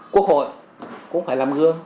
quốc hội cũng phải làm gương